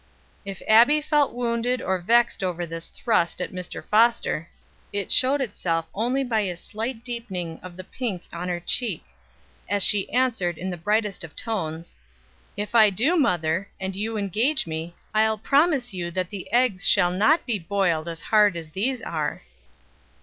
If Abbie felt wounded or vexed over this thrust at Mr. Foster, it showed itself only by a slight deepening of the pink on her cheek, as she answered in the brightest of tones: "If I do, mother, and you engage me, I'll promise you that the eggs shall not be boiled as hard as these are."